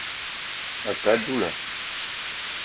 A kə á dula